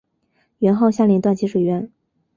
元昊下令断其水源。